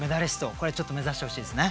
これちょっと目指してほしいですね。